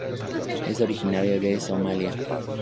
Es originario de Somalia.